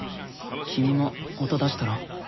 君も音出したら？